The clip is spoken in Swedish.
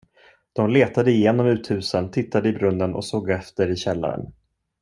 De letade igenom uthusen, tittade i brunnen och såg efter i källaren.